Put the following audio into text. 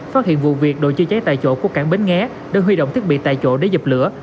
phát hiện vụ việc đội chữa cháy tại chỗ của cảng bến nghé đã huy động thiết bị tại chỗ để dập lửa